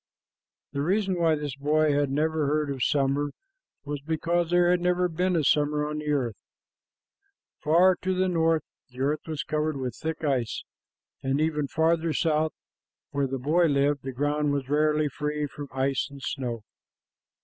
The reason why this boy had never heard of summer was because there had never been a summer on the earth. Far to the north the earth was covered with thick ice, and even farther south, where the boy lived, the ground was rarely free from ice and snow.